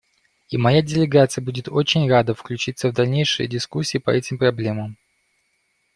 И моя делегация будет очень рада включиться в дальнейшие дискуссии по этим проблемам.